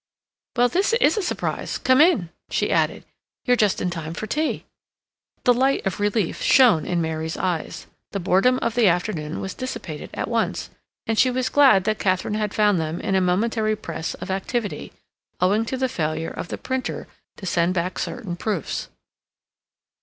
Well, this is a surprise. Come in," she added. "You're just in time for tea." The light of relief shone in Mary's eyes. The boredom of the afternoon was dissipated at once, and she was glad that Katharine had found them in a momentary press of activity, owing to the failure of the printer to send back certain proofs.